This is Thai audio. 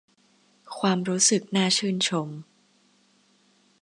ความรู้สึกน่าชื่นชม